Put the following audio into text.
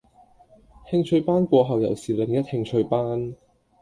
興趣班過後又是另一興趣班